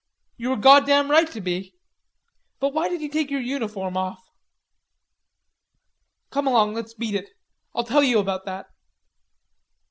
"You were goddam right to be. But why did yous take yer uniform off?" "Come along, let's beat it. I'll tell you about that."